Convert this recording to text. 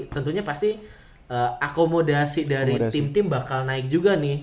tentunya pasti akomodasi dari tim tim bakal naik juga nih